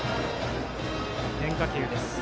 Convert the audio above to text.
変化球です。